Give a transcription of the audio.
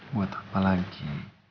buat apa lagi